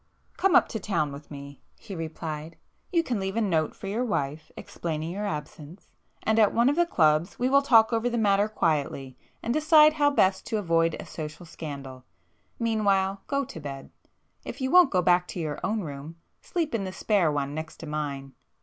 "Come up to town with me,"—he replied—"You can leave a note for your wife, explaining your absence,—and at one of the clubs we will talk over the matter quietly, and decide how best to avoid a social scandal. Meanwhile, go [p 380] to bed. If you won't go back to your own room, sleep in the spare one next to mine."